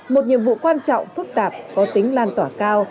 một nhiệm vụ quan trọng phức tạp có tính lan tỏa cao